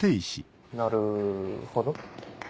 なるほど？